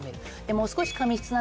もう少し。